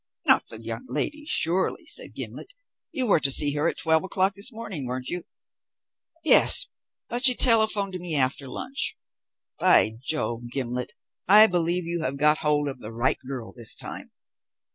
"Not the young lady, surely," said Gimblet; "you were to see her at twelve o'clock this morning, weren't you?" "Yes, but she telephoned to me after lunch. By Jove, Gimblet, I believe you have got hold of the right girl this time."